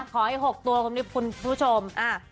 ขอให้๖ตัวคุณผู้ชม๙๔๕๖๗๒